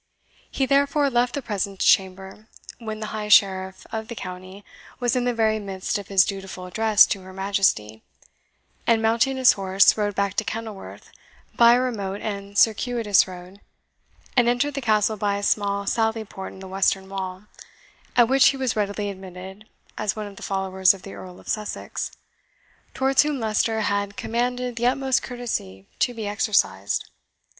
He, therefore, left the presence chamber when the High Sheriff of the county was in the very midst of his dutiful address to her Majesty; and mounting his horse, rode back to Kenilworth by a remote and circuitous road, and entered the Castle by a small sallyport in the western wall, at which he was readily admitted as one of the followers of the Earl of Sussex, towards whom Leicester had commanded the utmost courtesy to be exercised.